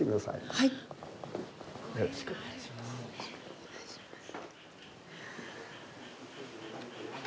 よろしくお願いします。